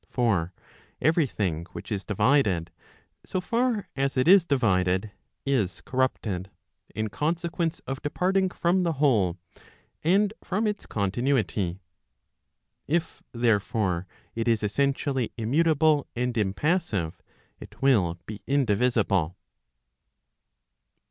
For every thing which is divided, so far as it is divided, is corrupted, in consequence of departing from the whole, and from its continuity. If, therefore, it is essentially immutable and impassive, it will be indivisible.